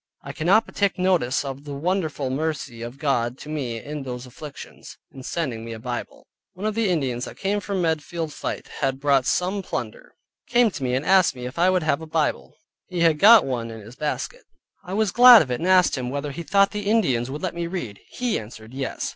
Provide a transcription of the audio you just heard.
I cannot but take notice of the wonderful mercy of God to me in those afflictions, in sending me a Bible. One of the Indians that came from Medfield fight, had brought some plunder, came to me, and asked me, if I would have a Bible, he had got one in his basket. I was glad of it, and asked him, whether he thought the Indians would let me read? He answered, yes.